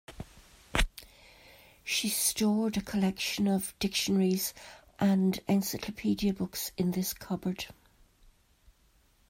She stored a collection of dictionaries and encyclopedia books in this cupboard.